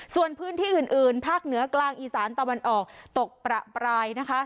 ส่วนพื้นที่อื่นภาคเหนือกลางอีสานตะวันออกตกประปรายนะคะ